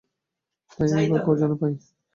তাই বা কজনে পায়?